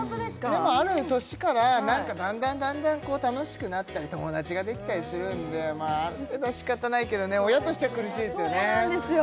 でもある年からなんかだんだんだんだん楽しくなったり友達ができたりするんである程度はしかたないけどね親としちゃ苦しいですよねそうなんですよ